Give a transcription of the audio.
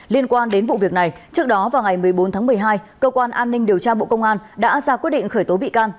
liên quan đến vụ việc này trước đó vào ngày một mươi bốn tháng một mươi hai cơ quan an ninh điều tra bộ công an đã ra quyết định khởi tố bị can